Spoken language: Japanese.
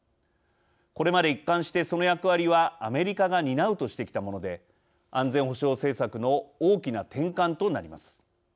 これまで一貫してその役割はアメリカが担うとしてきたもので安全保障政策の大きな転換となります。